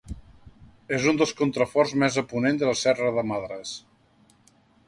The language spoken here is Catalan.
És un dels contraforts més a ponent de la Serra de Madres.